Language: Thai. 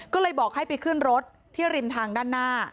ก็เลยบอกให้ไปขึ้นรถที่ริมทางด้านหน้า